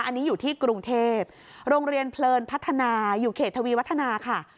อันนี้อยู่ที่กรุงเทพโรงเรียนเพลินพัฒนาอยู่เขตทวีวัฒนาค่ะ